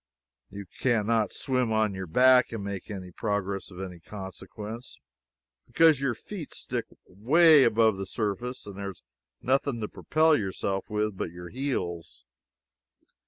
You can not swim on your back and make any progress of any consequence, because your feet stick away above the surface, and there is nothing to propel yourself with but your heels.